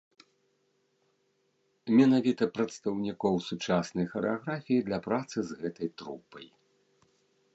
Менавіта прадстаўнікоў сучаснай харэаграфіі для працы з гэтай трупай.